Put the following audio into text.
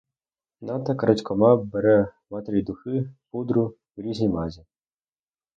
Ната крадькома бере в матері духи, пудру, різні мазі.